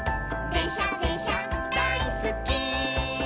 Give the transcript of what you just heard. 「でんしゃでんしゃだいすっき」